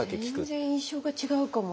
全然印象が違うかも。